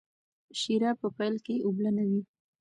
شیره په پیل کې اوبلنه وي.